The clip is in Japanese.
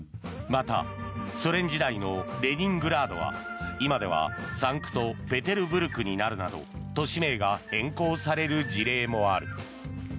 また、ソ連時代のレニングラードは今ではサンクトペテルブルクになるなど都市名が変更される事例もある。